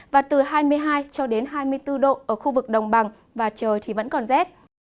và từ hai mươi hai hai mươi bốn độ ở khu vực đồng bằng và trời vẫn còn rét